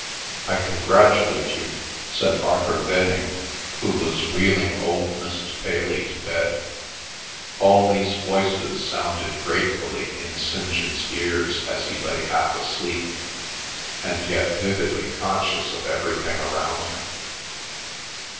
I congratulate you!" said Arthur Venning, who was wheeling old Mrs. Paley to bed. All these voices sounded gratefully in St. John's ears as he lay half asleep, and yet vividly conscious of everything around him.